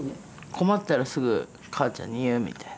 困ったらすぐ母ちゃんに言うみたいな。